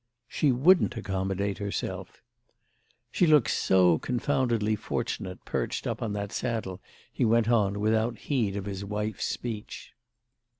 "She wouldn't accommodate herself." "She looks so confoundedly fortunate, perched up on that saddle," he went on without heed of his wife's speech.